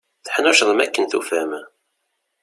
Teḥnuccḍem akken tufam.